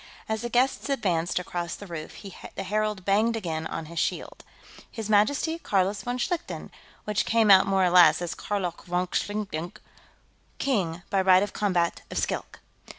As the guests advanced across the roof, the herald banged again on his shield. "His Majesty, Carlos von Schlichten," which came out more or less as Karlok vonk Zlikdenk "King, by right of combat, of Skilk!"